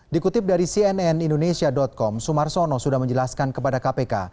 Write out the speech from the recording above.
dikutip dari cnn indonesia com sumarsono sudah menjelaskan kepada kpk